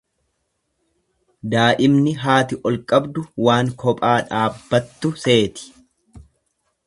Daa'imni haati ol qabdu waan kophaa dhaabbattu seeti.